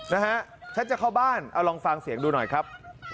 นะฮะฉันจะเข้าบ้านเอาลองฟังเสียงดูหน่อยครับ